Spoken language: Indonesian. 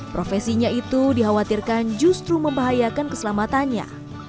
profesinya itu dikhawatirkan justru membahayakan keselamatannya